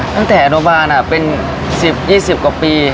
ตั้งแต่อนบางคันเป็น๑๐๒๐กว่าปี